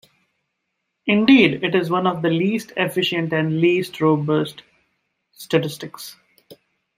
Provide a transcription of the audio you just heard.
Indeed, it is one of the least efficient and least robust statistics.